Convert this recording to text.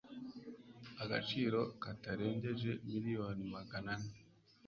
agaciro katarengeje miliyoni magana ane